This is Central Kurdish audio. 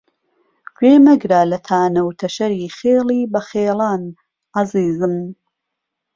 گوێ مهگره له تانه و تهشهری خێڵی بهخێڵان، عهزیزم